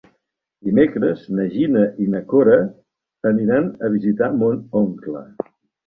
Dimecres na Gina i na Cora aniran a visitar mon oncle.